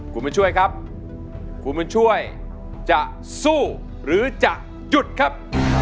คุณบุญช่วยครับคุณบุญช่วยจะสู้หรือจะหยุดครับ